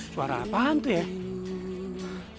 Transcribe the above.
suara apaan tuh ya